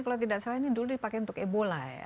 kalau tidak salah ini dulu dipakai untuk ebola ya